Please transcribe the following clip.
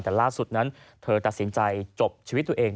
แต่ล่าสุดนั้นเธอตัดสินใจจบชีวิตตัวเอง